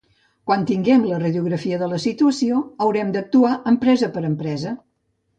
Quan tinguem la radiografia de la situació haurem d’actuar empresa per empresa.